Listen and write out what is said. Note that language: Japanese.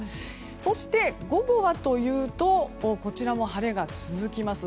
そして、午後はというとこちらも晴れが続きます。